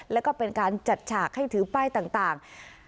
แล้วก็เป็นการจัดฉากให้ถือป้ายต่าง